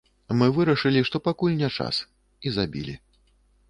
Мы вырашылі, што пакуль не час, і забілі.